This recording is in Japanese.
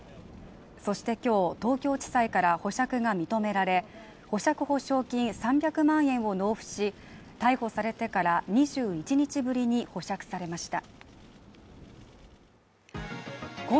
そして今日、東京地裁から保釈が認められ、保釈保証金３００万円を納付し、逮捕されてから２１日ぶりに保釈されました。